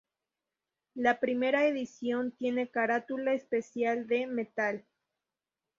La primera edición tiene carátula especial de metal.